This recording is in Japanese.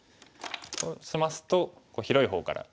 そうしますと広い方から。